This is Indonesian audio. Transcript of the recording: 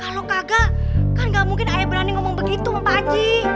kalau kagak kan gak mungkin saya berani ngomong begitu sama pakcik